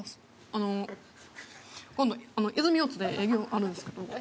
あの今度泉大津で営業あるんですけど。